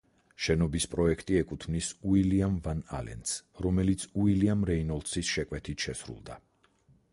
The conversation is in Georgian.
შენობის პროექტი ეკუთვნის უილიამ ვან ალენს, რომელიც უილიამ რეინოლდსის შეკვეთით შესრულდა.